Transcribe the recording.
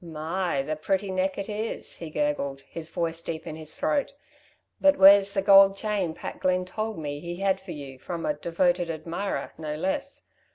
"My, the pretty neck it is," he gurgled, his voice deep in his throat. "But where's the gold chain Pat Glynn told me he had for you from a 'devoted admirer,' no less.